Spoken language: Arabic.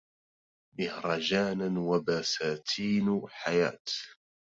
مهرجاناً... وبساتين حياة!